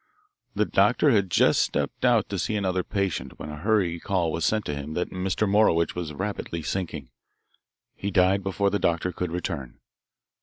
The doctor had just stepped out to see another patient when a hurry call was sent to him that Mr. Morowitch was rapidly sinking. He died before the doctor could return.